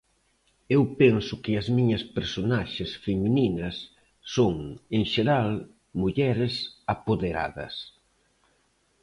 Eu penso que as miñas personaxes femininas son, en xeral, mulleres apoderadas.